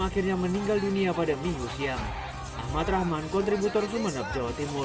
akhirnya meninggal dunia pada minggu siang ahmad rahman kontributor sumeneb jawa timur